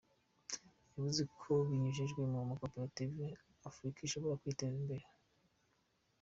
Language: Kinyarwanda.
Yavuze ko binyujijwe mu makoperative, Afurika ishobora kwiteza imbere.